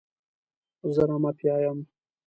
زه رمه پیايم.